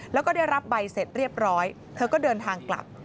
แล้วก็ได้รับใบเสร็จเรียบร้อยเธอก็เดินทางกลับ